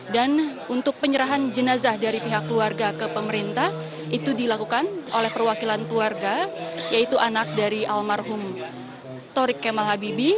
dan untuk penyerahan jenazah dari pihak keluarga ke pemerintah itu dilakukan oleh perwakilan keluarga yaitu anak dari almarhum torik kemal habibi